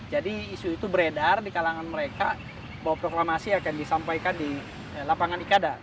jadi isu itu beredar di kalangan mereka bahwa proklamasi akan disampaikan di lapangan ikada